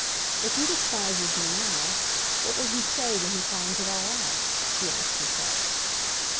"If he despises me now, what will he say when he finds it all out?" she asked herself.